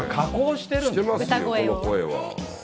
してますよ、この声は。